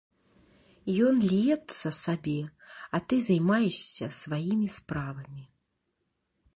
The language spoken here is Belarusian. Ён ліецца сабе, а ты займаешся сваімі справамі.